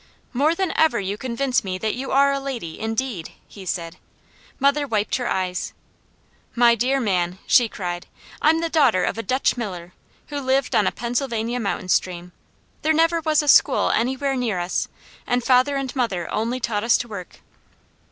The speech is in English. "More than ever you convince me that you are a lady, indeed," he said. Mother wiped her eyes. "My dear man!" she cried, "I'm the daughter of a Dutch miller, who lived on a Pennsylvania mountain stream. There never was a school anywhere near us, and father and mother only taught us to work.